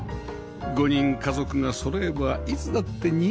５人家族がそろえばいつだってにぎやか